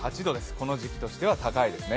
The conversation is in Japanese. この時期としては高いですね。